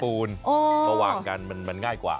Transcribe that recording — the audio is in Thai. มาวางกันมันง่ายกว่า